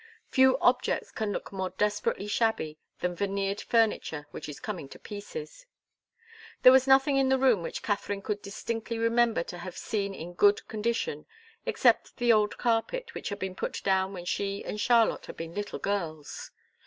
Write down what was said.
Few objects can look more desperately shabby than veneered furniture which is coming to pieces. There was nothing in the room which Katharine could distinctly remember to have seen in good condition, except the old carpet, which had been put down when she and Charlotte had been little girls.